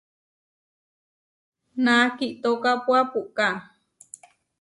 Na kitókapua puʼká.